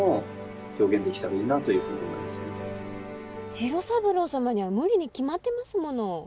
次郎三郎様には無理に決まってますもの。